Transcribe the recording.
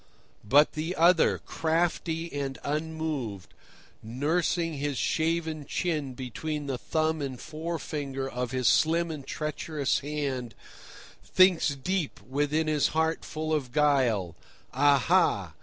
But the other, crafty and unmoved, nursing his shaven chin between the thumb and forefinger of his slim and treacherous hand, thinks deep within his heart full of guile: "Aha!